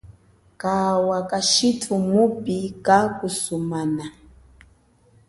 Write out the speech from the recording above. Kawa kashithu mupi kakusumana.